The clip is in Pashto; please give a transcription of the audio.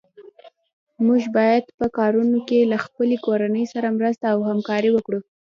موږ باید په کارونو کې له خپلې کورنۍ سره مرسته او همکاري وکړو.